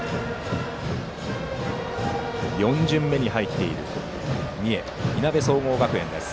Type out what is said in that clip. ４巡目に入っている三重・いなべ総合学園。